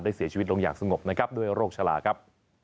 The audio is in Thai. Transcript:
เสียชีวิตลงอย่างสงบนะครับด้วยโรคชะลาครับ